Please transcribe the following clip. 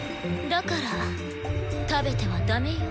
だから食べては駄目よ